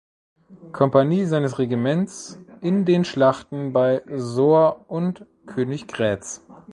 Kompanie seines Regiments in den Schlachten bei Soor und Königgrätz.